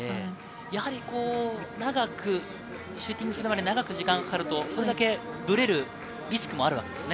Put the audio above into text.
やはり長くシューティングするまでに時間がかかると、それだけブレるリスクもあるわけですね。